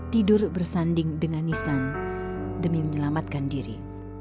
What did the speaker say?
tidur bersanding dengan nisan demi menyelamatkan diri